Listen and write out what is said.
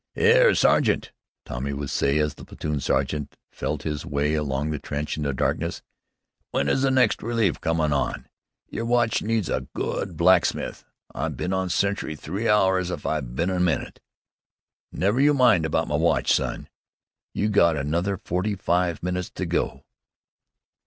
"'Ere, sergeant!" Tommy would say, as the platoon sergeant felt his way along the trench in the darkness, "w'en is the next relief comin' on? Yer watch needs a good blacksmith. I been on sentry three hours if I been a minute!" "Never you mind about my watch, son! You got another forty five minutes to do."